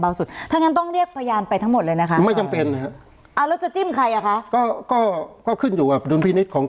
เอ้ยถ้ามีหมายฝี